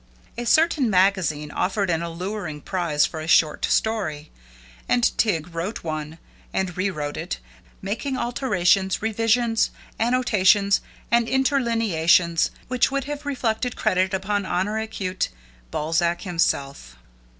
A certain magazine offered an alluring prize for a short story, and Tig wrote one, and rewrote it, making alterations, revisions, annotations, and interlineations which would have reflected credit upon Honoré; Balzac himself.